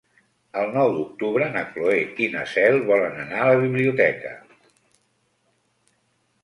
El nou d'octubre na Cloè i na Cel volen anar a la biblioteca.